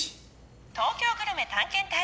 「東京グルメ探検隊‼」。